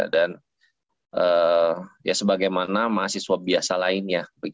dan sebagaimana mahasiswa biasa lainnya